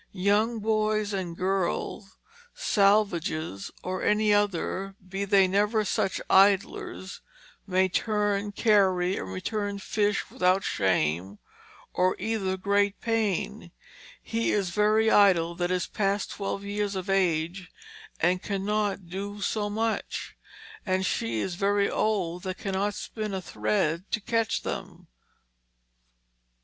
"Young boyes and girles, salvages, or any other, be they never such idlers may turne, carry, and returne fish without shame or either great pain: hee is very idle that is past twelve years of age and cannot doe so much: and shee is very old that cannot spin a thread to catch them."